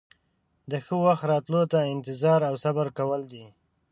د ښه وخت راتلو ته انتظار او صبر کول دي.